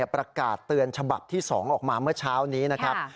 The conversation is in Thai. ประกาศเตือนฉบับที่๒ออกมาเมื่อเช้านี้นะครับ